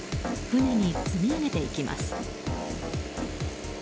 船に積み上げていきます。